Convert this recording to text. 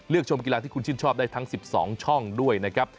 ชมกีฬาที่คุณชื่นชอบได้ทั้ง๑๒ช่องด้วยนะครับ